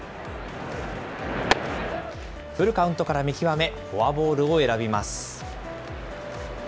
フルカウントから見極め、フォアボールを選びます。